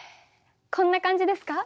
こんな感じですか？